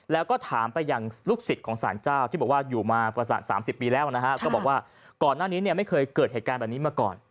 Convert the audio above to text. แล้วก็ถามไปอย่างลูกศิษย์ของสารเจ้าที่บอกว่าอยู่มาประมาณ๓๐ปีแล้วนะฮะก็บอกว่าก่อนหน้านี้เนี่ยไม่เคยเกิดเหตุการณ์แบบนี้มาก่อน